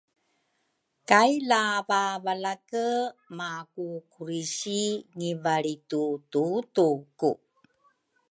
kay lavavalake makukurisi ngivalritududuku.